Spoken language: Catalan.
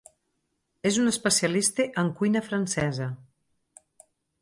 És un especialista en cuina francesa.